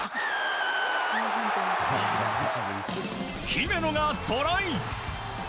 姫野がトライ！